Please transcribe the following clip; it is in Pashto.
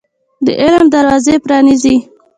د علم دروازي پرانيزۍ